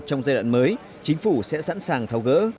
trong giai đoạn mới chính phủ sẽ sẵn sàng thao gỡ